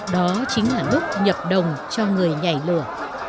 đó chính là lúc nhập đồng cho người nhảy lửa